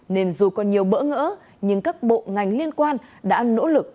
nên dù có nhiều bỡ ngỡ nhưng các bộ ngành liên quan đã nỗ lực